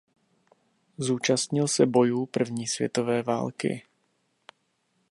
Zúčastnil se bojů první světové války.